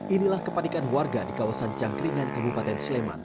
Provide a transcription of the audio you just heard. inilah kepanikan warga di kawasan cangkringan kabupaten sleman